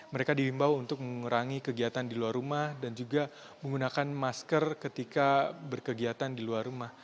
mereka dihimbau untuk mengurangi kegiatan di luar rumah dan juga menggunakan masker ketika berkegiatan di luar rumah